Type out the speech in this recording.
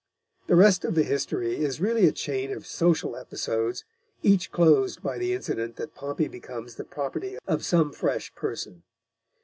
The rest of the history is really a chain of social episodes, each closed by the incident that Pompey becomes the property of some fresh person.